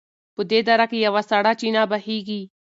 په دې دره کې یوه سړه چینه بهېږي.